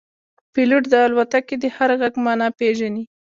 پیلوټ د الوتکې د هر غږ معنا پېژني.